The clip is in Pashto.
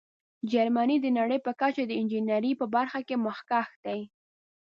جرمني د نړۍ په کچه د انجینیرۍ په برخه کې مخکښ دی.